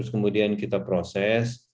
kemudian kita proses